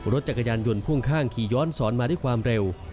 รถจักรยานยนต์พ่วงข้างขี่ย้อนสอนมาด้วยความเร็ว